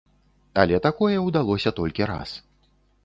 Але такое ўдалося толькі раз.